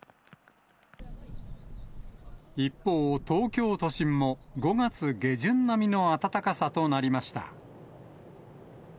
一方、東京都心も５月下旬並みの暖かさとなりました。